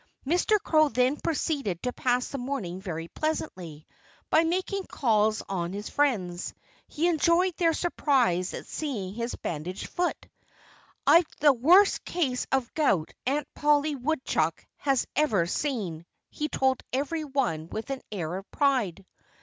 Mr. Crow then proceeded to pass the morning very pleasantly, by making calls on his friends. He enjoyed their surprise at seeing his bandaged foot. "I've the worst case of gout Aunt Polly Woodchuck has ever seen," he told every one with an air of pride.